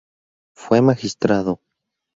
Fue magistrado.